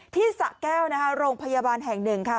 สะแก้วนะคะโรงพยาบาลแห่งหนึ่งค่ะ